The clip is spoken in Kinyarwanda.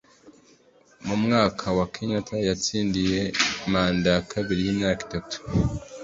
Mu mwaka wa , Kenyata yatsindiye manda ya kabiri y’imyaka itanu,